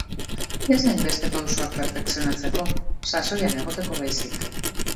Ez hainbeste pausuak perfekzionatzeko, sasoian egoteko baizik.